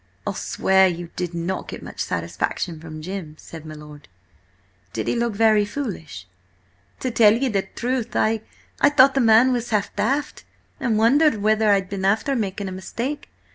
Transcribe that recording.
"I'll swear you did not get much satisfaction from Jim!" said my lord. "Did he look very foolish?" "To tell ye the truth, I thought the man was half daft, and wondered whether I'd been after making a mistake.